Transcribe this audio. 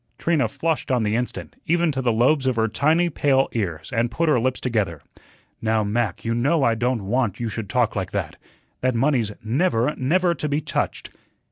Trina flushed on the instant, even to the lobes of her tiny pale ears, and put her lips together. "Now, Mac, you know I don't want you should talk like that. That money's never, never to be touched."